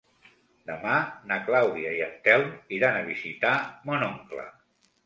Demà na Clàudia i en Telm iran a visitar mon oncle.